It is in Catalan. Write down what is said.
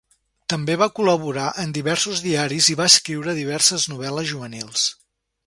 També va col·laborar en diversos diaris i va escriure diverses novel·les juvenils.